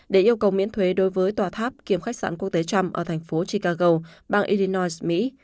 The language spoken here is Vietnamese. để yêu cầu miễn thuế đối với tòa tháp kiềm khách sạn quốc tế trump ở thành phố chicago bang idinois mỹ